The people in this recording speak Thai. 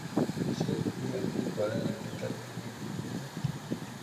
เช็คเพื่อนดีกว่า เลิกกันยังวะ